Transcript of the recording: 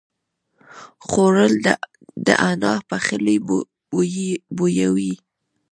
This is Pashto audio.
خوړل د انا پخلی بویوي